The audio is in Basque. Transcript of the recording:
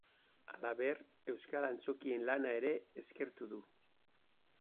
Halaber, euskal antzokien lana ere eskertu du.